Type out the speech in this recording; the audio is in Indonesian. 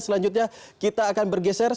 selanjutnya kita akan bergeser